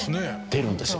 出るんですよ。